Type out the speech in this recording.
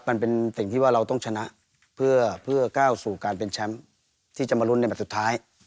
มันเป็นสิ่งที่ว่าเราต้องชนะเพื่อก้าวสู่การเป็นแชมป์ที่จะมาลุ้นในแบบสุดท้าย